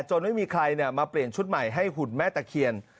ไม่มีใครมาเปลี่ยนชุดใหม่ให้หุ่นแม่ตะเคียน